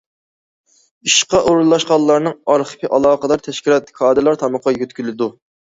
ئىشقا ئورۇنلاشقانلارنىڭ ئارخىپى ئالاقىدار تەشكىلات، كادىرلار تارمىقىغا يۆتكىلىدۇ.